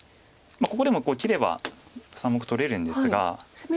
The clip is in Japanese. ここでも切れば３目取れるんですが。